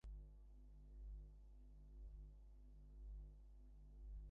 পথের সংখ্যা যত বেশী থাকিবে, ততই আমাদের প্রত্যেকের পক্ষে সত্যলাভের সুযোগ ঘটিবে।